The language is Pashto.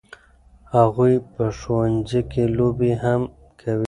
هغوی په ښوونځي کې لوبې هم کوي.